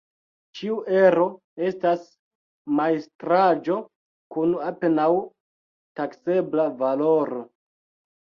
Ĉiu ero estas majstraĵo kun apenaŭ taksebla valoro.